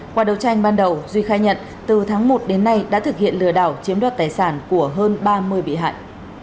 qua đấu tranh ban đầu duy khai nhận từ tháng một đến nay đã thực hiện lừa đảo chiếm đoạt tài sản của hơn ba mươi bị hại